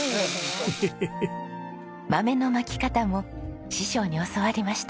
豆のまき方も師匠に教わりました。